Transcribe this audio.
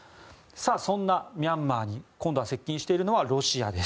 そんなミャンマーに今度、接近しているのはロシアです。